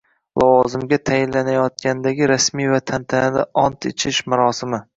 lavozimga tayinlanayotgandagi rasmiy va tantanali ont ichish marosimi.